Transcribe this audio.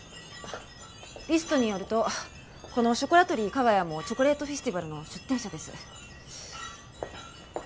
リストによるとこのショコラトリー加賀谷もチョコレートフェスティバルの出店者です。